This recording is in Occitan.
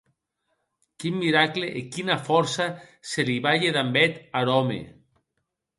Quin miracle e quina fòrça se li balhe damb eth ar òme!